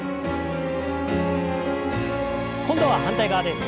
今度は反対側です。